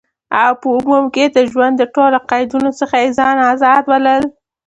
او په عموم کی د ژوند د ټولو قیدونو څخه یی ځان آزاد بلل،